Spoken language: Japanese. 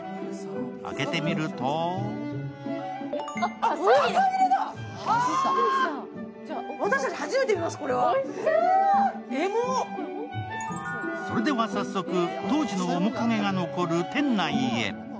開けてみるとそれでは早速、当時の面影が残る店内へ。